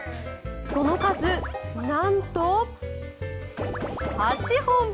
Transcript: その数、なんと８本。